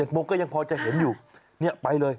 โมงก็ยังพอจะเห็นอยู่ไปเลย